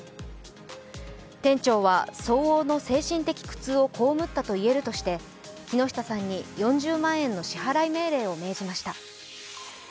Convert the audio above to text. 店長は相応の精神的苦痛を被ったといえるとして木下さんに４０万円の支払い命令を出しました。